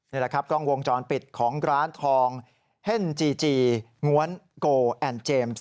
นี่แหละครับกล้องวงจรปิดของร้านทองเฮ่นจีจีง้วนโกแอนด์เจมส์